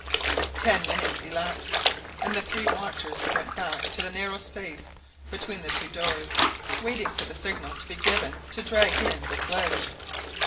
Ten minutes elapsed, and the three watchers went back to the narrow space between the two doors, waiting for the signal to be given to drag in the sledge.